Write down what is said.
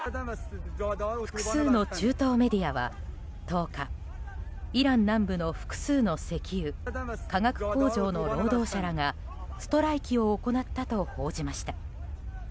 複数の中東メディアは１０日、イラン南部の複数の石油・化学工場の労働者らがストライキを行ったと報じました。